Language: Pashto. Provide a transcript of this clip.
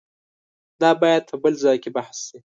دا باید په بل ځای کې بحث شي.